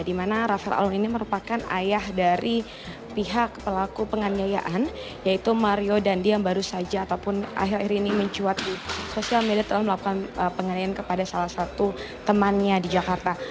di mana rafael alun ini merupakan ayah dari pihak pelaku penganiayaan yaitu mario dandi yang baru saja ataupun akhir akhir ini mencuat di sosial media telah melakukan penganiayaan kepada salah satu temannya di jakarta